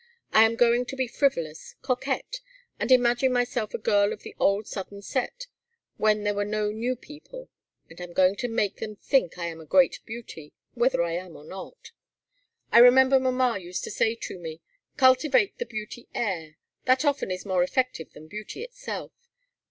I am going to be frivolous, coquette, and imagine myself a girl of the old Southern Set, when there were no new people. And I'm going to make them think I am a great beauty, whether I am or not. I remember mamma used to say to me: 'Cultivate the beauty air. That often is more effective than beauty itself.